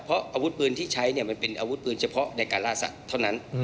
เพราะอาวุธปืนที่ใช้มันเป็นอาวุธปืนเฉพาะในการล่าสัตว์เท่านั้น